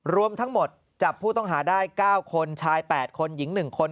รวมทั้งหมดจับผู้ต้องหาได้๙คนชาย๘คนหญิง๑คน